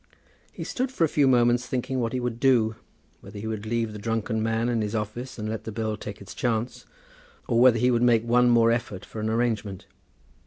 He stood for a few moments thinking what he would do; whether he would leave the drunken man and his office and let the bill take its chance, or whether he would make one more effort for an arrangement.